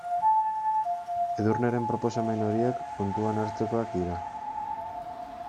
Edurneren proposamen horiek kontuan hartzekoak dira.